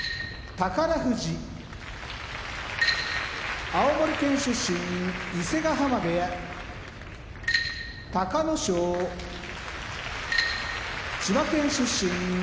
富士青森県出身伊勢ヶ濱部屋隆の勝千葉県出身常盤山部屋